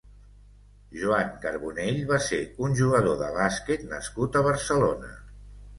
Joan Carbonell va ser un jugador de bàsquet nascut a Barcelona.